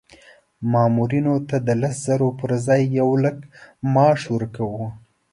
مامورینو ته د لس زره پر ځای یو لک معاش ورکوو.